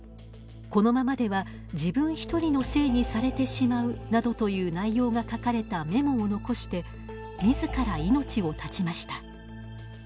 「このままでは自分１人のせいにされてしまう」などという内容が書かれたメモを残してみずから命を絶ちました。